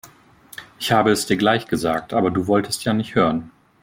Ich habe es dir gleich gesagt, aber du wolltest ja nicht hören.